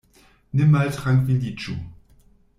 Ne maltrankviliĝu.